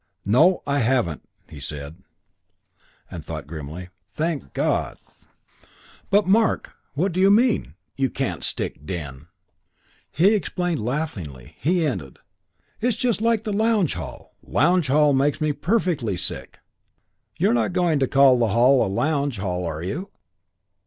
"No, I haven't," he said, and thought grimly, "Thank God!" "But, Mark, what do you mean, you can't stick 'den'?" He explained laughingly. He ended, "It's just like lounge hall. Lounge hall makes me feel perfectly sick. You're not going to call the hall a lounge hall, are you?"